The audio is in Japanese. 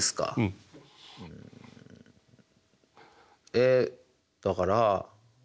えだから。